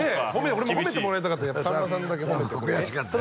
俺も褒めてもらいたかったさんまさんだけホント悔しかったよな